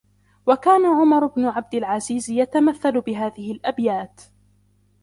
وَكَانَ عُمَرُ بْنُ عَبْدِ الْعَزِيزِ يَتَمَثَّلُ بِهَذِهِ الْأَبْيَاتِ